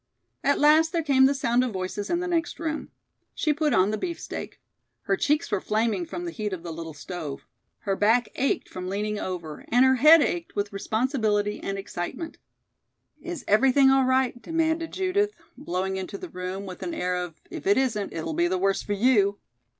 At last there came the sound of voices in the next room. She put on the beefsteak. Her cheeks were flaming from the heat of the little stove. Her back ached from leaning over, and her head ached with responsibility and excitement. "Is everything all right?" demanded Judith, blowing into the room with an air of "if it isn't it will be the worse for you."